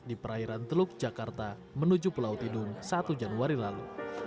di perairan teluk jakarta menuju pulau tidung satu januari lalu